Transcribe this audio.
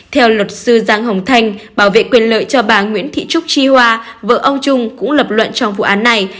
theo luật sư giang hồng thanh bảo vệ quyền lợi cho bà nguyễn thị trúc chi hoa vợ ông trung cũng lập luận trong vụ án này